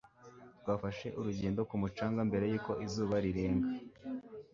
Twafashe urugendo ku mucanga mbere yuko izuba rirenga.